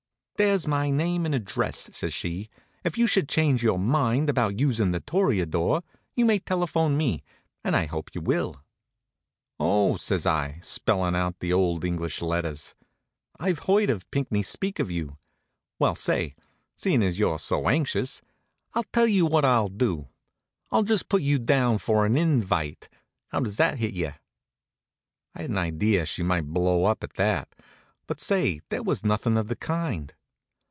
"There's my name and address," says she. "If you should change your mind about using The Toreador, you may telephone me; and I hope you will." "Oh!" says I, spellin' out the old English letters. "I've heard Pinckney speak of you. Well, say, seein' as you're so anxious, I'll tell you what I'll do; I'll just put you down for an in vite. How does that hit you?" I had an idea she might blow up, at that. But say, there was nothin' of the kind.